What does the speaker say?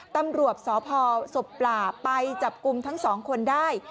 ตำรวจสพศพปลาไปจับกลุ่มทั้งสองคนได้